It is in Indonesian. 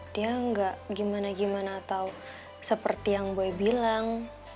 dia gak gimana gimana atau seperti yang boy bilang